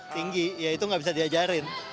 tinggi ya itu nggak bisa diajarin